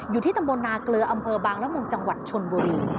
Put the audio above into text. อยู่ที่ตำบลนาเกลืออำเภอบางละมุงจังหวัดชนบุรี